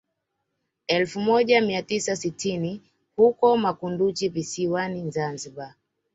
Elfu moja mia tisa sitini huko makunduchi visiwani Zanzibari